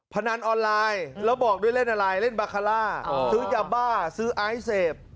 พนันออนไลน์แล้วบอกด้วยเล่นอะไรเล่นบาคาร่าซื้อยาบ้าซื้อไอซ์เสพ